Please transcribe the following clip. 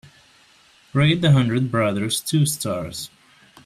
Rate The Hundred Brothers two stars.